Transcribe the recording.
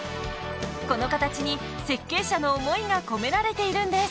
この形に設計者の思いが込められているんです。